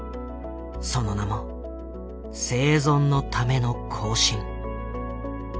その名も「生存のための行進」。